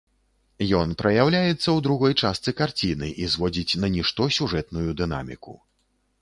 Ён праяўляецца ў другой частцы карціны і зводзіць на нішто сюжэтную дынаміку.